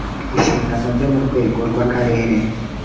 inshingano byo mu rwego rw akarere